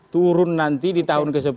turun nanti di tahun ke sepuluh